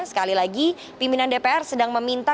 sekali lagi pimpinan dpr sedang meminta